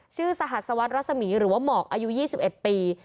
ชื่อสหัสวรรษมีหรือว่าหมอกอายุ๒๑ปี